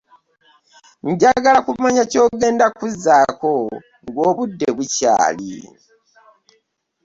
Njagala kumanya ky'ogenda kuzaako nga obudde bukyali.